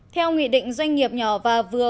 theo nghị định doanh nghiệp nhỏ và vừa